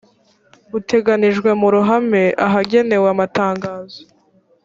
uteganyijwe mu ruhame ahagenewe amatangazo